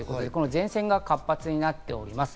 前線が活発になっております。